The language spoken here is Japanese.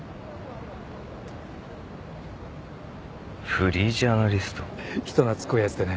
フリージャーナリスト？人懐っこいやつでね。